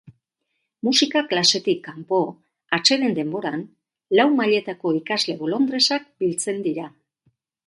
Musika klasetik kanpo, atseden denboran, lau mailetako ikasle bolondresak biltzen dira.